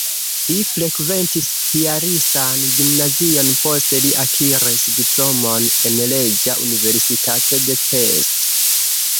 Li frekventis piaristan gimnazion, poste li akiris diplomon en Reĝa Universitato de Pest.